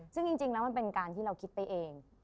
ซึ่งจริงแล้วมันเป็นการที่เราคิดไปเอง